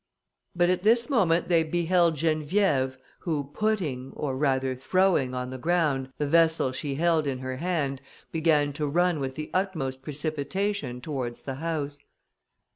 But at this moment they beheld Geneviève, who putting, or rather throwing, on the ground the vessel she held in her hand, began to run with the utmost precipitation towards the house.